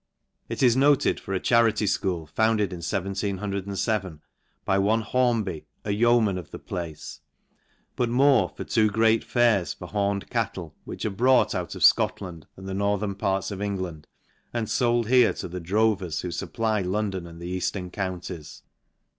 It is noted for a charity fchool, founded in 1707, by one Horn hy, a yeoman of the place ; but more for two great Jairs for horned cattle, which are brought out of Scotland^ and the northern parts of England, and fold here to the drovers who fupply London and the eaftern counties.